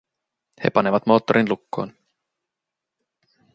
He panevat moottorin lukkoon.